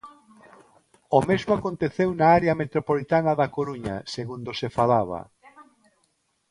O mesmo aconteceu na área metropolitana da Coruña, segundo se falaba.